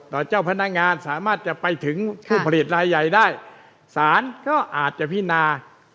เจ้าพนักงานสามารถจะไปถึงผู้ผลิตรายใหญ่ได้สารก็อาจจะพินา